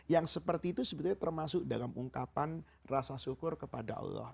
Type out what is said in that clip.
yang seperti itu sebetulnya termasuk dalam ungkapan rasa syukur kepada allah